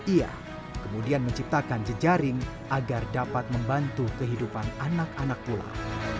ia kemudian menciptakan jejaring agar dapat membantu kehidupan anak anak pulang